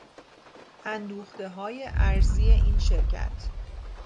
اندوختههای ارزی این شرکت